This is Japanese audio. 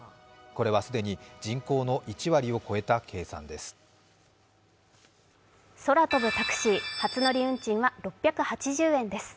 これは、既に人口の１割を超えた計算です。